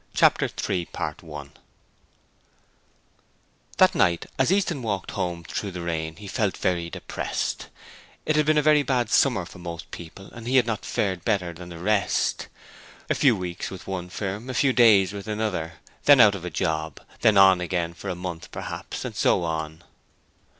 Chapter 3 The Financiers That night as Easton walked home through the rain he felt very depressed. It had been a very bad summer for most people and he had not fared better than the rest. A few weeks with one firm, a few days with another, then out of a job, then on again for a month perhaps, and so on.